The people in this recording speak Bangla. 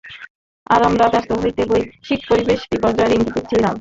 আর আমার সমস্ত হিসেব বৈশ্বিক পরিবেশ বিপর্যয়ের ইঙ্গিত দিচ্ছে, ইয়ান।